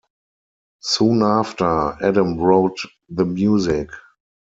Soon after, Adam wrote the music.